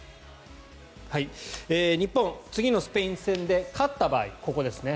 日本、次のスペイン戦で勝った場合、ここですね。